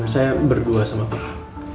saya berdua sama pera